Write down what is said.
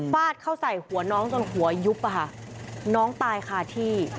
ฟาดเข้าใส่หัวน้องจนหัวยุบอะค่ะน้องตายคาที่